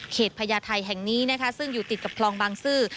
พญาไทยแห่งนี้นะคะซึ่งอยู่ติดกับคลองบางซื่อ